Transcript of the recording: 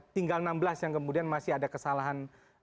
tinggal enam belas yang kemudian masih ada kesalahan